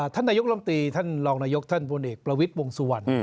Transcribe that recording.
ท่านนายกรรมตรีท่านรองนายกท่านพลเอกประวิทย์วงสุวรรณ